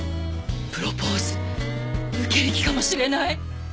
プロポーズ受ける気かもしれない。